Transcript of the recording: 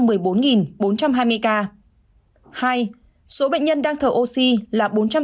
hai số bệnh nhân đang thở oxy là bốn trăm tám mươi ca